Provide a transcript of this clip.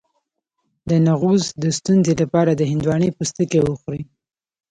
د نعوظ د ستونزې لپاره د هندواڼې پوستکی وخورئ